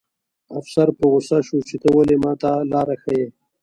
افسر په غوسه شو چې ته ولې ماته لاره ښیې